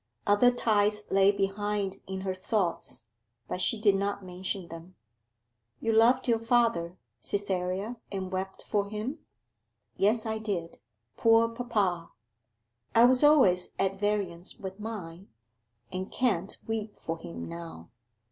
Other ties lay behind in her thoughts, but she did not mention them. 'You loved your father, Cytherea, and wept for him?' 'Yes, I did. Poor papa!' 'I was always at variance with mine, and can't weep for him now!